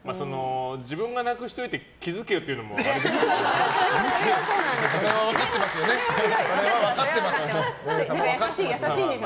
自分がなくしておいて気づけよというのもそれはそうなんです。